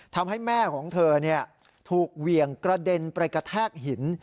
ทำให้แม่ของเธอถูกเหวี่ยงกระเด็นไปกระแทกหิน